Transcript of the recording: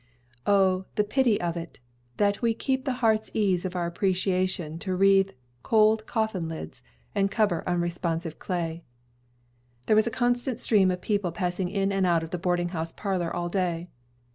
O, the pity of it, that we keep the heart's ease of our appreciation to wreathe cold coffin lids, and cover unresponsive clay! There was a constant stream of people passing in and out of the boarding house parlor all day.